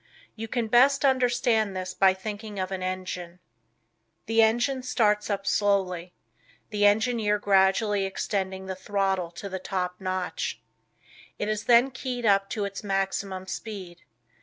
You can best understand this by thinking of an engine. The engine starts up slowly, the engineer gradually extending the throttle to the top notch. It is then keyed up to its maximum speed.